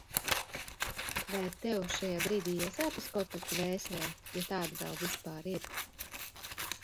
Vai tev šajā brīdī iesāpas kaut kas dvēselē, ja tāda vēl vispār ir?